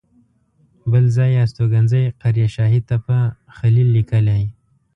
بل ځای یې استوګنځی قریه شاهي تپه خلیل لیکلی.